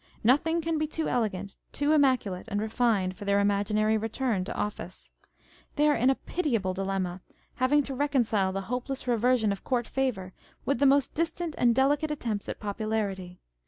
Nothing can be too elegant, too immaculate and refined for their imaginary return to office. They are in a pitiable dilemma â€" having to reconcile the hopeless reversion of court favour with the most distant and delicate attempts at popularity.